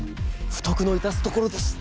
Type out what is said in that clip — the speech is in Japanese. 不徳の致すところです。